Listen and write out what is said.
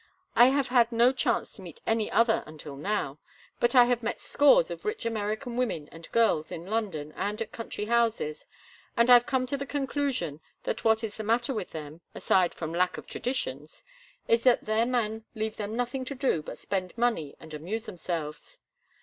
I have had no chance to meet any other until now. But I have met scores of rich American women and girls in London and at country houses, and I've come to the conclusion that what is the matter with them—aside from lack of traditions—is that their men leave them nothing to do but spend money and amuse themselves.